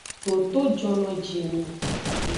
Toto jonojini.